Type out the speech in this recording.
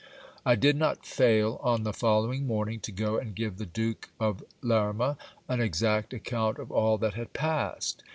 I did not fail on the following morning to go and give the Duke of Lerma an exact account of all that had passed.